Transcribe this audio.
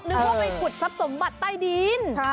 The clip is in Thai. นึกว่าไปขุดทรัพย์สมบัติใต้ดิน